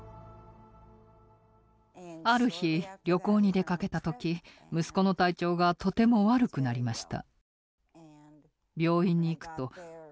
ある日旅行に出かけた時息子の体調がとても悪くなりました。